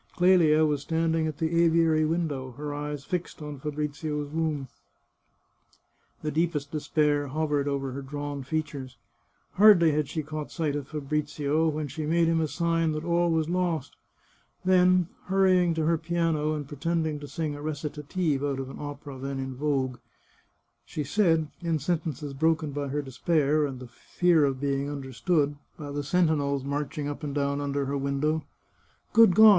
Clelia was standing at the aviary window, her eyes fixed on Fa brizio's room. The deepest despair hovered over her drawn features. Hardly had she caught sight of Fabrizio than she made him a sign that all was lost ; then, hurrying to her piano and pretending to sing a recitative out of an opera then in vogue, she said, in sentences broken by her despair and the fear of being understood by the sentinels marching up and down under the window :" Good God